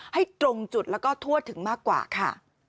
ให้ตรงจุดแล้วก็ทั่วถึงมากกว่าค่ะ